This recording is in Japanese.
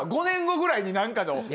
５年後ぐらいに何かの。